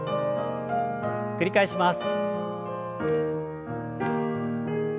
繰り返します。